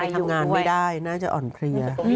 อยู่งานไม่ได้น่าจะอ่อนเคลียร์